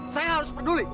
saya harus peduli